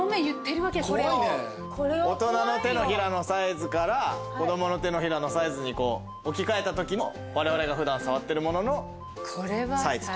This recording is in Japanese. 大人の手のひらのサイズから子供の手のひらのサイズに置き換えたときのわれわれが普段触ってるもののサイズ。